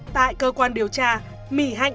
tại cơ quan điều tra mỹ hạnh